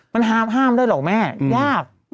มันหาห้ามได้หรอกแม่ยาก